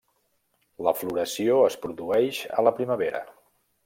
La floració es produeix a la primavera.